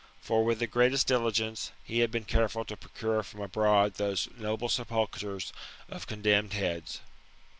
For, with the greatest diligence, he had been careM to procure from abroad those noble sepulchres of condemned heads.